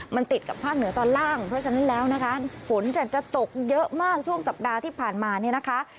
มันติดกับภาคเหนือตอนล่างเพราะฉะนั้นแล้วนะคะฝนจะตกเยอะมากช่วงสัปดาห์ที่ผ่านมาเนี่ยนะคะ